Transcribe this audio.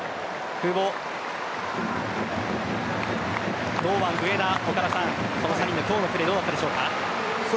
久保、堂安、上田この３人の今日のプレーどうだったでしょうか？